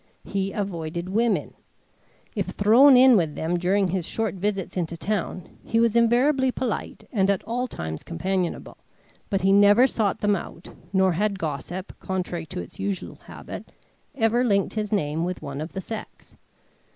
He avoided women. If thrown in with them during his short visits into town, he was invariably polite and at all times companionable, but he never sought them out, nor had gossip, contrary to its usual habit, ever linked his name with one of the sex.